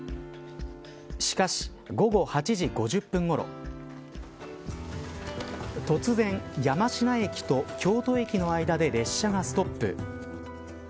しかし、午後８時５０分ごろ突然、山科駅と京都駅の間で列車がストップ。